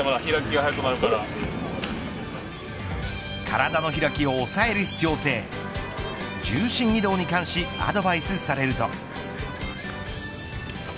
体の開きを抑える必要性重心移動に関しアドバイスされると。